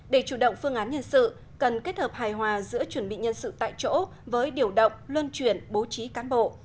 để chủ động phương án nhân sự cần kết hợp hài hòa giữa chuẩn bị nhân sự tại chỗ với điều động luân chuyển bố trí cán bộ